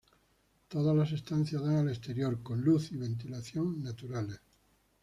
Todas las estancias dan al exterior, con luz y ventilación naturales.